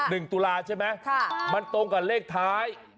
หนึ่งตุลาใช่มั้ยมันตรงกับเลขท้าย